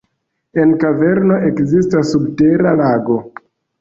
En kaverno ekzistas subtera lago.